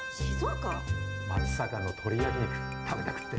松阪の鳥焼肉食べたくって。